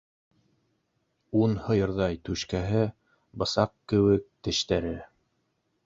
Ун һыйырҙай — тушкәһе, Бысаҡ кеүек тештәре.